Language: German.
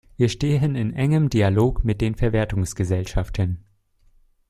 Wir stehen in engem Dialog mit den Verwertungsgesellschaften.